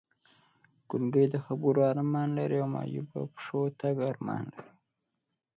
ګونګی د خبرو ارمان لري او معیوب پښو تګ ارمان لري!